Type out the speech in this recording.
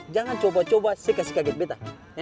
jangan coba coba si kaget beta